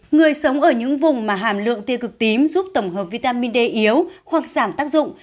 người sống ở những vùng mà hàm lượng tiêu cực tím giúp tổng hợp vitamin d yếu hoặc giảm tác dụng